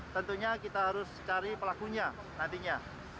tentunya kita harus cari pelakunya nantinya